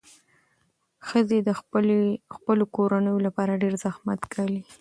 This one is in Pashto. ښځې د خپلو کورنیو لپاره ډېر زحمت ګالي.